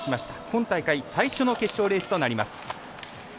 今大会、最初の決勝レースとなります。